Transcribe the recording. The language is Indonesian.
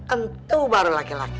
entuh baru laki laki